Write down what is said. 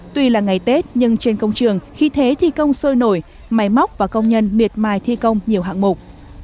tuy là ngày tết nhưng trên công trường khi thế thi công sôi nổi máy móc và công nhân miệt mài thi công nhiều hạng mục